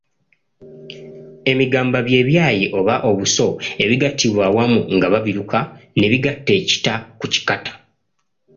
Emigamba bye byayi oba obuso ebigattibwa awamu nga babiruka ne bigatta ekita ku kikata.